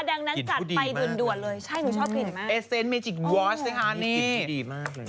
แดงนั้นสัดไปด่วนเลยใช่หนูชอบผิดมากอีกผู้ดีมาก